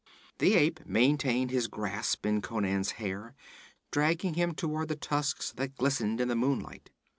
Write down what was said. The ape maintained his grasp in Conan's hair, dragging him toward the tusks that glistened in the moonlight.